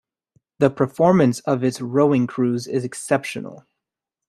The performance of its rowing crews is exceptional.